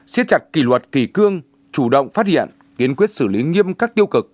siết chặt kỳ luật kỳ cương chủ động phát hiện kiến quyết xử lý nghiêm các tiêu cực